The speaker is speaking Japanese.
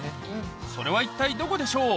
それは一体どこでしょう？